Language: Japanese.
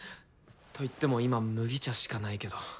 といっても今麦茶しかないけど。